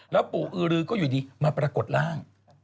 แล้วปู่อือรือก็อยู่ดีมาปรากฏร่าง